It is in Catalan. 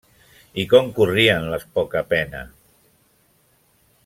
I com corrien les poca pena!